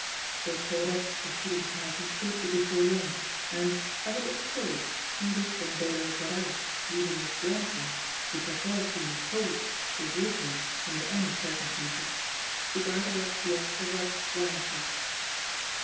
They caught up the shooting party shortly before lunch, and, as it was cold, Edith and Dodo got out, leaving Miss Grantham, who preferred being cold to walking under any circumstances, to gather up the extra rugs round her.